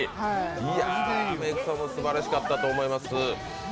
いや、メイクもすばらしかったと思います。